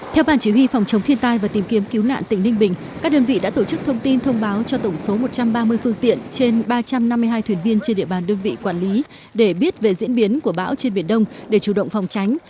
theo bàn chỉ huy phòng chống thiên tai và tìm kiếm cứu nạn tỉnh ninh bình các đơn vị đã tổ chức thông tin thông báo cho tổng số một trăm ba mươi phương tiện trên ba trăm năm mươi hai thuyền viên trên địa bàn đơn vị quản lý để biết về diễn biến của bão trên biển đông để chủ động phòng tránh